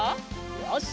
よし！